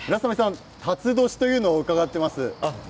たつ年というのを伺っています。